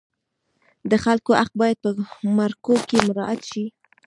د خلکو حق باید په مرکو کې مراعت شي.